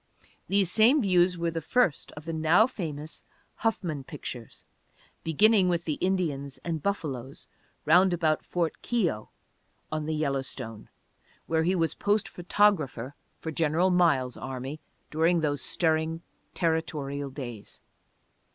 These same views were the first of the now famous "Huffman Pictures," beginning with the Indians and buffaloes round about Ft. Keogh on the Yellowstone where he was post photographer for General Miles' army during those stirring territorial days.